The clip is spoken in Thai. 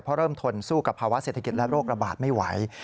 เพราะเริ่มทนสู้กับภาวะเศรษฐกิจและโรคระบาดไม่ไหว